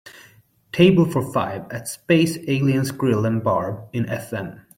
table for five at Space Aliens Grill & Bar in FM